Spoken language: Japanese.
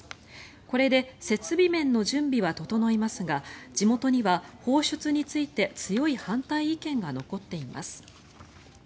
これで設備面の準備は整いますが地元には放出について強い反対意見が残っています。